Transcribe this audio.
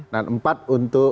dan empat untuk